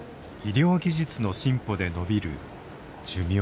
医療技術の進歩でのびる寿命。